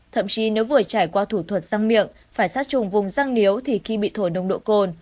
thậm chí nếu vừa trải qua thủ thuật răng miệng phải sát trùng vùng răng nếu thì khi bị thổi nồng độ cồn